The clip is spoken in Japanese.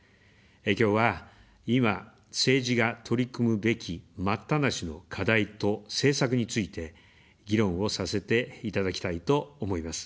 きょうは、今、政治が取り組むべき待ったなしの課題と政策について、議論をさせていただきたいと思います。